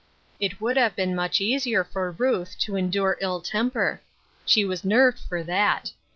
It would have been much easier for Ruth to endure ill temper. She was nerved for that.